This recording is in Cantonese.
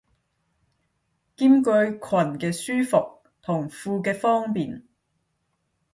兼具裙嘅舒服同褲嘅方便